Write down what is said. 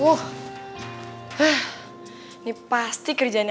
hah ini pasti kerjaan